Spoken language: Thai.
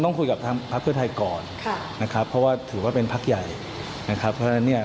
ต้องคุยกับภักดิ์เพื่อไทยก่อนคือว่าเป็นพักใหญ่